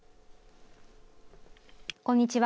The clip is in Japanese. こんにちは。